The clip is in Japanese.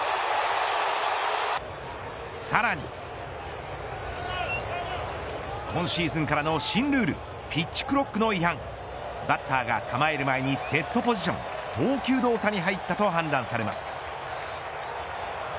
さらに今シーズンからの新ルールピッチクロックの違反バッターが構える前にセットポジション投球動作に入ったと判断されます。